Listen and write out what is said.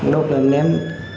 đột lần ném